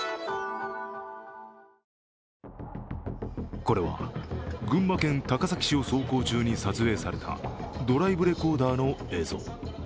これは、群馬県高崎市を走行中に撮影されたドライブレコーダーの映像。